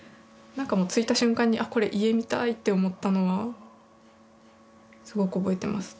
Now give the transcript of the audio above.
着いた瞬間にこれ家みたいって思ったのはすごく覚えてます。